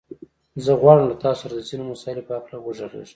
زه غواړم له تاسو سره د ځينو مسايلو په هکله وغږېږم.